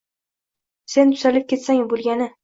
Sen tuzalib ketsang bo`lgani